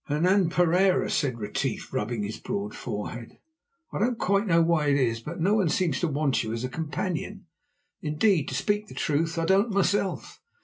"Hernan Pereira," said Retief, rubbing his broad forehead, "I don't quite know why it is, but no one seems to want you as a companion. Indeed, to speak truth, I don't myself.